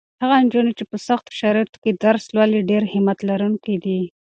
هغه نجونې چې په سختو شرایطو کې درس لولي ډېرې همت لرونکې دي.